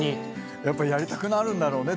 やっぱやりたくなるんだろうね。